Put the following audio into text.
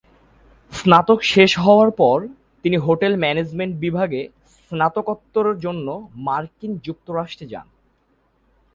স্নাতক শেষ হওয়ার পরে তিনি হোটেল ম্যানেজমেন্ট বিভাগে স্নাতকোত্তর জন্য মার্কিন যুক্তরাষ্ট্রে যান।